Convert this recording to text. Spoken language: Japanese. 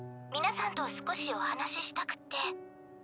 皆さんと少しお話ししたくって。